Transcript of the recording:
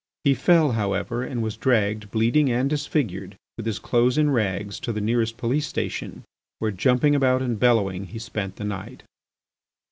He fell, however, and was dragged bleeding and disfigured, with his clothes in rags, to the nearest police station, where, jumping about and bellowing, he spent the night.